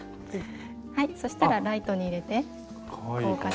はいそしたらライトに入れて硬化します。